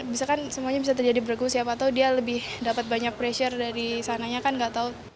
bisa kan semuanya bisa terjadi bregu siapa tau dia lebih dapat banyak pressure dari sananya kan nggak tahu